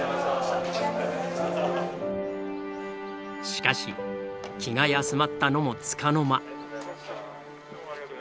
しかし気が休まったのもつかの間。